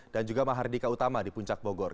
dan juga mahardika utama di puncak bogor